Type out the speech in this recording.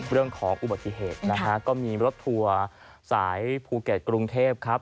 เรื่องของอุบัติเหตุนะฮะก็มีรถทัวร์สายภูเก็ตกรุงเทพครับ